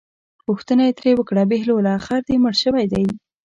پوښتنه یې ترې وکړه بهلوله خر دې مړ شوی دی.